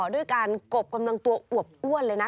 ด้วยการกบกำลังตัวอวบอ้วนเลยนะ